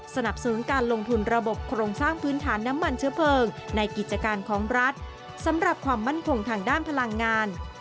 สนับสนุนการลงทุนระบบโครงสร้างพื้นฐานน้ำมันเชื้อเพลิงในกิจการของรัฐสำหรับความมั่นคงทางด้านพลังงาน